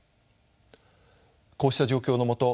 こうした状況のもと